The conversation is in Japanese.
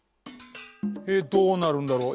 えっどうなるんだろう？